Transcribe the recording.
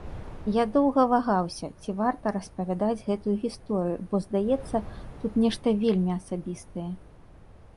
Я доўга вагаўся, ці варта распавядаць гэтую гісторыю, бо, здаецца, тут нешта вельмі асабістае.